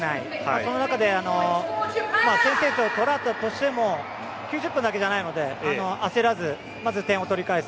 その中で先制点を取られたとしても９０分だけじゃないので、焦らずまず点を取り返す。